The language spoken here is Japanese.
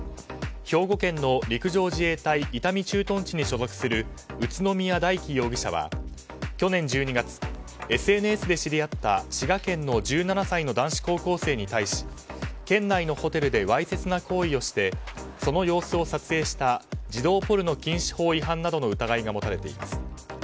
兵庫県の陸上自衛隊伊丹駐屯地に所属する宇都宮大輝容疑者は去年１２月ＳＮＳで知り合った滋賀県の１７歳の男子高校生に対し県内のホテルでわいせつな行為をしてその様子を撮影した児童ポルノ禁止違反などの疑いが持たれています。